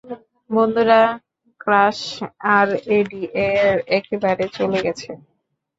বন্ধুরা, ক্র্যাশ আর এডি একেবারে চলে গেছে।